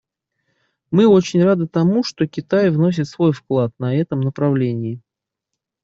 Мы очень рады тому, что Китай вносит свой вклад на этом направлении.